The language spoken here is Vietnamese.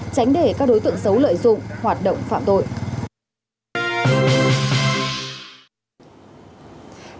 tránh để các đối tượng xấu lợi dụng hoạt động phạm tội